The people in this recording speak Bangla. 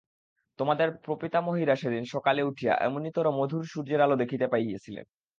তোমাদের প্রপিতামহীরা সেদিন সকালে উঠিয়া এমনিতরো মধুর সূর্যের আলো দেখিতে পাইয়াছিলেন।